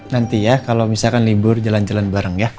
nanti ya kalau misalkan libur jalan jalan bareng ya